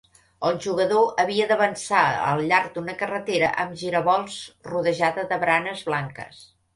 El jugador havia d'avançar al llarg d'una carretera amb giravolts rodejada de baranes blanques.